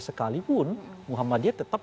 sekalipun muhammadiyah tetap